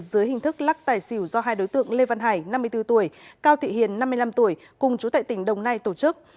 dưới hình thức lắc tài xỉu do hai đối tượng lê văn hải năm mươi bốn tuổi cao thị hiền năm mươi năm tuổi cùng chú tại tỉnh đồng nai tổ chức